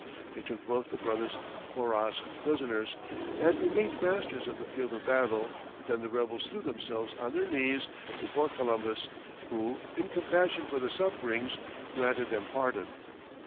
They took both the brothers Porras prisoners, and remained masters of the field of battle: then the rebels threw themselves on their knees before Columbus, who, in compassion for their sufferings, granted them pardon.